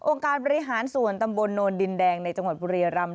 การบริหารส่วนตำบลโนนดินแดงในจังหวัดบุรียรำ